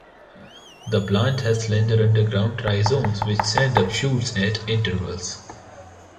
The plant has slender underground rhizomes which send up shoots at intervals.